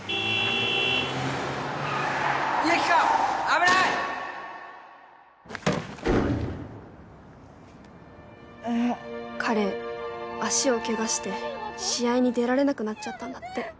クラクション衝突音あぁ彼足をケガして試合に出られなくなっちゃったんだって。